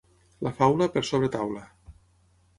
La faula, per sobretaula.